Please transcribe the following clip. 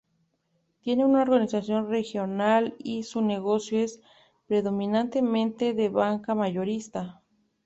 Tienen una organización regional y su negocio es predominantemente de banca mayorista.